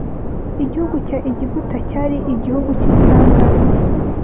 igihugu cya Egiputa cyari igihugu cy’igihangange